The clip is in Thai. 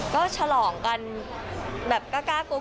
ก็ฉลองกันแบบกล้ากรุ๊ป